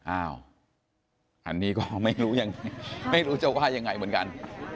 อ้าวอันนี้ก็ไม่รู้จะว่ายังไงเหมือนกัน